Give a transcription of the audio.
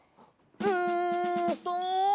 うんと。